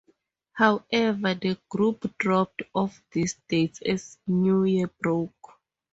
However, the group dropped off these dates as new year broke.